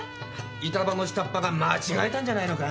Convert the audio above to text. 板場の下っ端が間違えたんじゃないのか？